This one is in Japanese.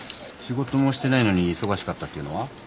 仕事もしてないのに忙しかったっていうのは？